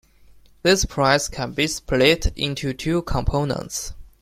This price can be split into two components.